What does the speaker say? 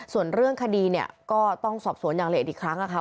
ส่วนเรื่องคดีเนี่ยก็ต้องสอบสวนอย่างละเอียดอีกครั้งนะคะ